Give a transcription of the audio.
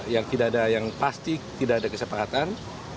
yang tidak ada yang pasti tidak ada kesepakatan